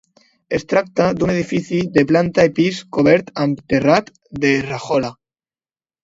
Es tracta d'un edifici de planta i pis cobert amb terrat de rajola.